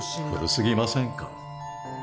古すぎませんか？